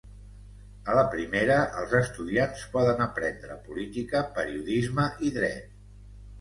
A la primera, els estudiants poden aprendre Política, Periodisme i Dret.